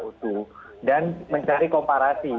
utuh dan mencari komparasi